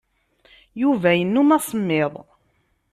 Yuba yennum asemmiḍ.